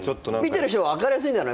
見てる人分かりやすいんじゃない？